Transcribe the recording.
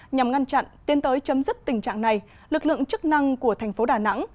nhằm ngăn chặn tiến tới chấm dứt tình trạng này lực lượng chức năng của thành phố đà nẵng